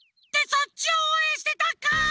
そっちをおうえんしてたんかい！